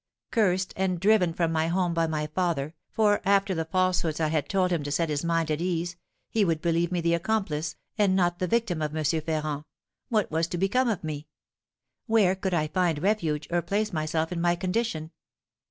Cursed and driven from my home by my father, for, after the falsehoods I had told him to set his mind at ease, he would believe me the accomplice, and not the victim of M. Ferrand, what was to become of me? where could I find refuge or place myself in my condition?